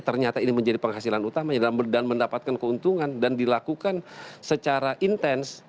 ternyata ini menjadi penghasilan utamanya dan mendapatkan keuntungan dan dilakukan secara intens